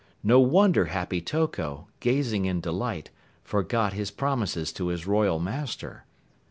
No wonder Happy Toko, gazing in delight, forgot his promises to his Royal Master.